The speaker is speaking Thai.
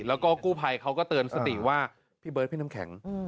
แล้วก็กู้ภัยเขาก็เตือนสติว่าพี่เบิร์ดพี่น้ำแข็ง